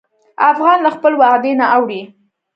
افغان له خپل وعدې نه اوړي.